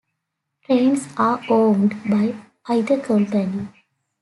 Trains are owned by either company.